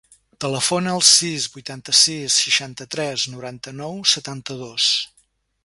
Telefona al sis, vuitanta-sis, seixanta-tres, noranta-nou, setanta-dos.